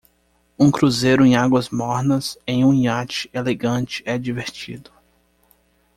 Um cruzeiro em águas mornas em um iate elegante é divertido.